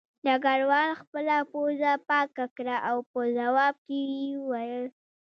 ډګروال خپله پوزه پاکه کړه او په ځواب کې یې وویل